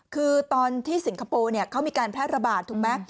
คือตอนที่สิงคโปร์เขามีการแพร่ระบาดถูกไหม